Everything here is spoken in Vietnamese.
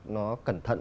nó cẩn thận